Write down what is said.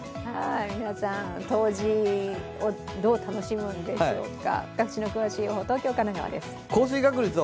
皆さん、冬至をどう楽しむんでしょうか。